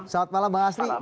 selamat malam bang astri